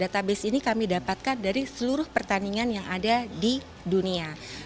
database ini kami dapatkan dari seluruh pertandingan yang ada di dunia